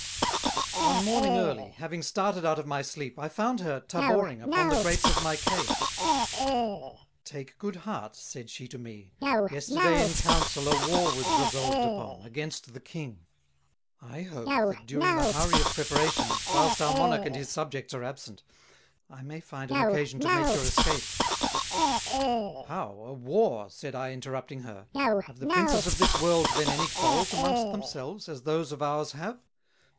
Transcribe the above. _ One Morning early, having started out of my Sleep, I found her Taboring upon the grates of my Cage: "Take good heart," said she to me, "yesterday in Council a War was resolved upon, against the King [Illustration: bar 1] I hope that during the hurry of Preparations, whilst our Monarch and his Subjects are absent, I may find an occasion to make your escape." "How, a War," said I interrupting her, "have the Princes of this World, then, any quarrels amongst themselves, as those of ours have?